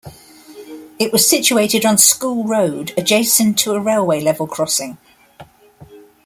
It was situated on School Road, adjacent to a railway level crossing.